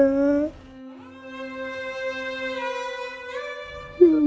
makasih dokter ya